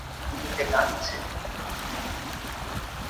বোন নিচে কাঁদছে।